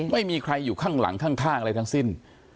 ไม่มีใครอยู่ข้างหลังข้างอะไรทั้งสิ้น